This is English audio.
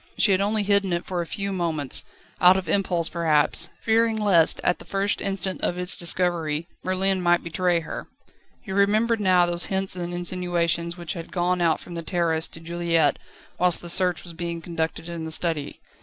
She had only hidden it for a few moments, out of impulse perhaps, fearing lest, at the first instant of its discovery, Merlin might betray her. He remembered now those hints and insinuations which had gone out from the Terrorist to Juliette whilst the search was being conducted in the study.